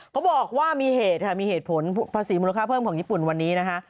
เขาบอกว่ามีเหตุค่ะมีเหตุผลภาษีมูลค่าเพิ่มของญี่ปุ่นวันนี้นะคะ